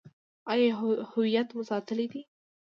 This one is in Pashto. آیا هویت مو ساتلی دی؟